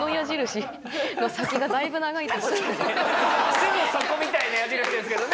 すぐそこみたいな矢印ですけどね。